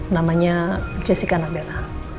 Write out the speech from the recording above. namanya jessica nabela